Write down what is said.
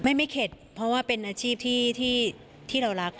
ไม่เข็ดเพราะว่าเป็นอาชีพที่เรารัก